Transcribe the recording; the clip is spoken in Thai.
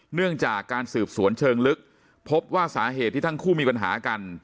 เนื่องจากการสืบสวนเชิงลึกพบว่าสาเหตุที่ทั้งคู่มีปัญหากัน